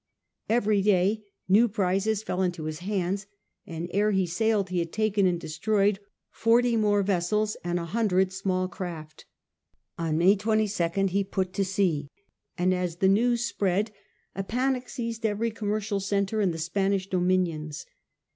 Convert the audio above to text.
Every day new prizes fell into his hands, and ere he sailed he had taken and destroyed forty more vessels and a hundred small craft On May 22nd he put to sea, and as the news spread a panic seized every commercial centre in the Spanish dominions.